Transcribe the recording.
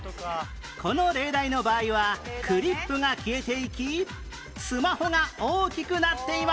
この例題の場合はクリップが消えていきスマホが大きくなっています